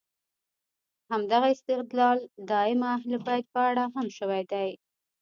همدغه استدلال د ائمه اهل بیت په اړه هم شوی دی.